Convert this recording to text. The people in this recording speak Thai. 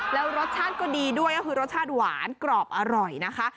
แล้วรสชาติก็ดีด้วยก็คือรสชาติหวานกรอบอร่อยนะคะ